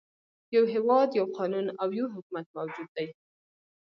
يو هېواد، یو قانون او یو حکومت موجود دی.